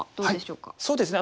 そうですね